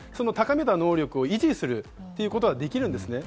高めた能力を維持するということはできるんです。